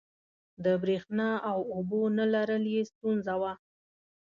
د برېښنا او اوبو نه لرل یې ستونزه وه.